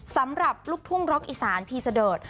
สำหรับลูกทุ่งรกอิตาลพีซาเดิร์ด